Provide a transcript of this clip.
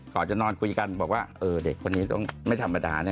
ขอจะนอนคุยกันบอกว่าเอ่อเด็กคนนี้ไม่ธรรมดา